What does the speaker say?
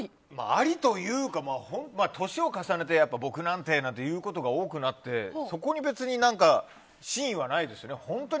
ありというか年を重ねて僕なんてと言うことが多くなってそこに別に真意はないです。